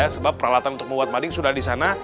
sebab peralatan untuk membuat mading sudah disana